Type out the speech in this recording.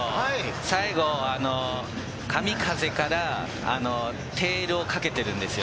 最後、神風からテールをかけてるんですよ。